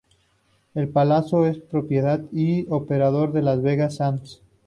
El Palazzo es propiedad y operado por Las Vegas Sands.